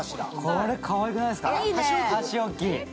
これかわいくないですか、箸置き。